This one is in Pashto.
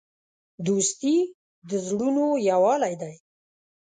دوستي د زړونو یووالی دی.